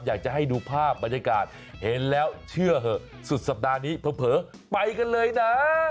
อยากจะให้ดูภาพบรรยากาศเห็นแล้วเชื่อเหอะสุดสัปดาห์นี้เผลอไปกันเลยนะ